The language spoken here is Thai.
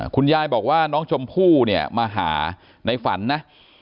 คุณยายบอกว่าน้องชมพู่เนี่ยมาหาในฝันนะ